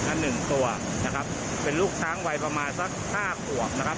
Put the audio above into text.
หนึ่งตัวนะครับเป็นลูกช้างวัยประมาณสักห้าขวบนะครับ